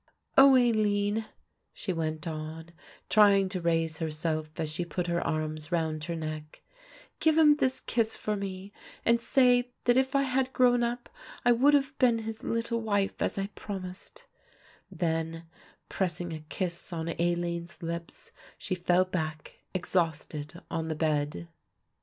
"O Aline," she went on, trying to raise herself as she put her arms round her neck "give him this kiss for me and say that if I had grown up I would have been his little wife as I promised"; then, pressing a kiss on Aline's lips, she fell back exhausted on the bed.